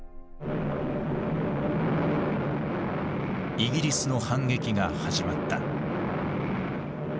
イギリスの反撃が始まった。